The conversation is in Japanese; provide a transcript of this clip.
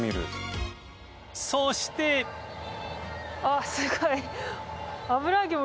そしてあっすごい。